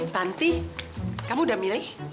tanti kamu udah milih